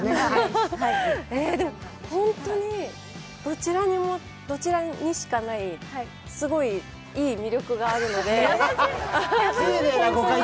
でも、本当に、どちらにもどちらにしかない、すごくいい魅力があるので。